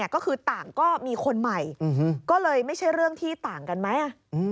ก็คือต่างก็มีคนใหม่ก็เลยไม่ใช่เรื่องที่ต่างกันไหม